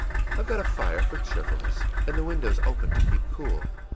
I've got a fire for cheerfulness, and the windows open to keep cool.